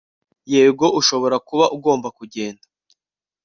yego ushobora kuba ugomba kugenda